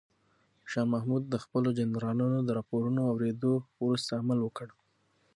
شاه محمود د خپلو جنرالانو د راپورونو اورېدو وروسته عمل وکړ.